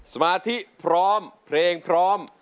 สมาธิพร้อมเพลงพร้อม